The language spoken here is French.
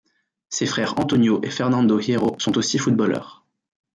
Ses frères Antonio et Fernando Hierro sont aussi footballeurs.